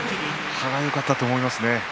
歯がゆかったと思いますね